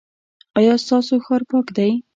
ایا ستاسو ښار پاک دی؟